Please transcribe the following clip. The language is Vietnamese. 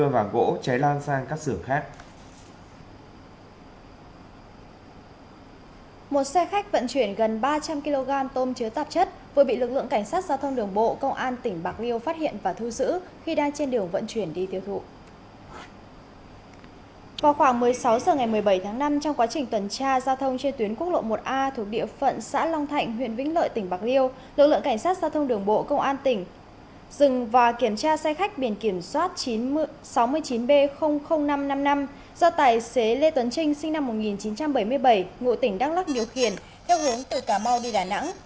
vào khoảng một mươi sáu h ngày một mươi bảy tháng năm trong quá trình tuần tra giao thông trên tuyến quốc lộ một a thuộc địa phận xã long thạnh huyện vĩnh lợi tỉnh bạc liêu lực lượng cảnh sát giao thông đường bộ công an tỉnh rừng và kiểm tra xe khách biển kiểm soát sáu mươi chín b năm trăm năm mươi năm do tài xế lê tuấn trinh sinh năm một nghìn chín trăm bảy mươi bảy ngụ tỉnh đắk lắc điều khiển theo hướng từ cà mau đi đà nẵng